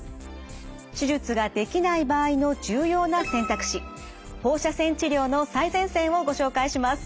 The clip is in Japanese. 手術ができない場合の重要な選択肢放射線治療の最前線をご紹介します。